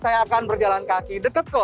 saya akan berjalan kaki deket kok